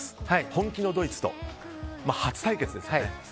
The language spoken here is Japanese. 本気のドイツと初対決です。